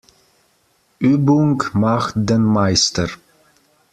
Übung macht den Meister.